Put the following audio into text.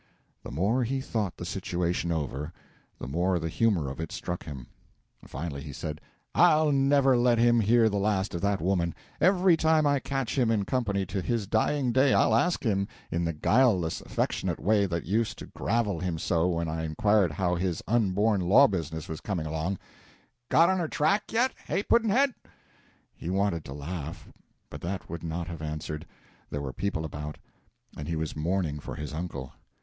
The more he thought the situation over, the more the humor of it struck him. Finally he said, "I'll never let him hear the last of that woman. Every time I catch him in company, to his dying day, I'll ask him in the guileless affectionate way that used to gravel him so when I inquired how his unborn law business was coming along, 'Got on her track yet hey, Pudd'nhead?'" He wanted to laugh, but that would not have answered; there were people about, and he was mourning for his uncle.